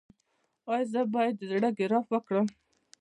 ایا زه باید د زړه ګراف وکړم؟